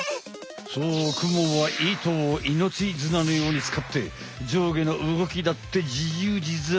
そうクモは糸を命綱のように使って上下の動きだって自由自在。